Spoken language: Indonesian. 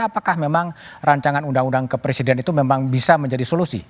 apakah memang rancangan undang undang kepresiden itu memang bisa menjadi solusi